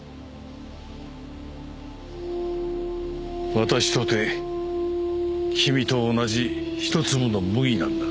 私とて君と同じ一粒の麦なんだから。